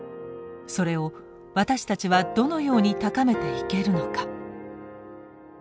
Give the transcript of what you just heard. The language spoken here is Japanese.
それを私たちはどのように高めていけるのか。